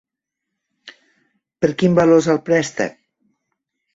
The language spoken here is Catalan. Per quin valor és el préstec?